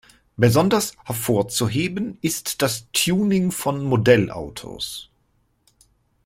Besonders hervorzuheben ist das Tuning von Modellautos.